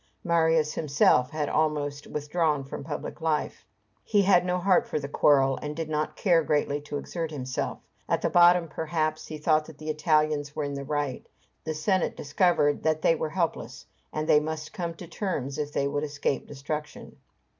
Marius himself had almost withdrawn from public life. He had no heart for the quarrel, and did not care greatly to exert himself. At the bottom, perhaps, he thought that the Italians were in the right. The Senate discovered that they were helpless, and must come to terms if they would escape destruction.